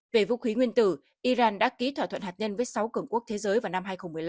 về vũ khí nguyên tử iran đã ký thỏa thuận hạt nhân với sáu cường quốc thế giới vào năm hai nghìn một mươi năm